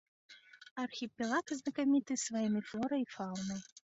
Архіпелаг знакаміты сваімі флорай і фаунай.